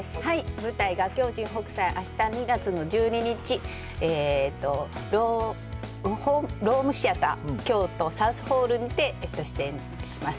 舞台、画狂人北斎が、あした２月１２日、ロームシアター、サウスホールにて、出演します。